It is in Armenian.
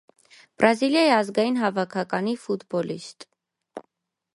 Բրազիլիայի ազգային հավաքականի ֆուտբոլիստ։